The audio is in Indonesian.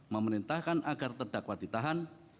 memerintahkan agar terdakwa ditahan